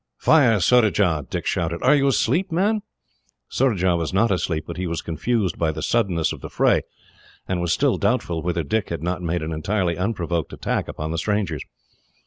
"Fire, Surajah!" Dick shouted. "Are you asleep, man?" Surajah was not asleep, but he was confused by the suddenness of the fray, and was still doubtful whether Dick had not made an entirely unprovoked attack upon the strangers.